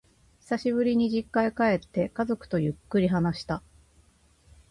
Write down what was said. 久しぶりに実家へ帰って、家族とゆっくり話した。